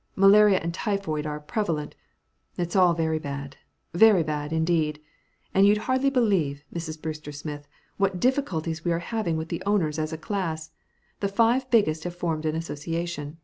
Malaria and typhoid are prevalent; it's all very bad, very bad, indeed. And you'd hardly believe, Mrs. Brewster Smith, what difficulties we are having with the owners as a class. The five biggest have formed an association.